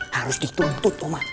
harus dituntut uma